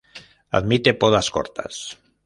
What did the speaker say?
Admite podas cortas.